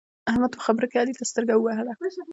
احمد په خبرو کې علي ته سترګه ووهله.